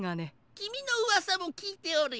きみのうわさもきいておるよ。